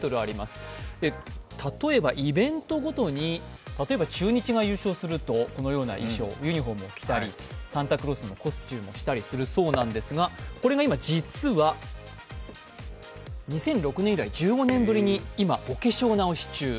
例えば、イベントごとに中日が優勝するとこのような衣装、ユニフォームを着たり、サンタクロースのコスチュームを着たりするそうですがこれが今、実は、２００６年以来１５年ぶりにお化粧直し中。